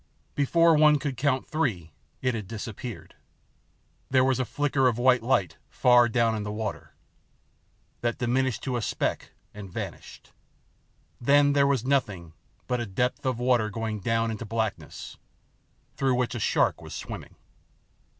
Before one could count three it had disappeared. There was a flicker of white light far down in the water, that diminished to a speck and vanished. Then there was nothing but a depth of water going down into blackness, through which a shark was swimming.